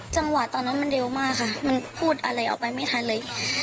จังหวะตอนนั้นมันเร็วมากค่ะมันพูดอะไรออกไปไม่ทันเลย